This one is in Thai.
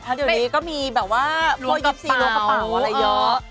พอดีก็มีแบบว่าเพราะยิปซีลวงกระเป๋าอะไรเยอะ